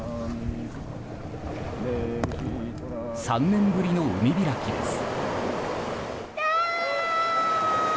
３年ぶりの海開きです。